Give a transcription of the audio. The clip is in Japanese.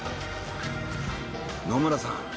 野村さん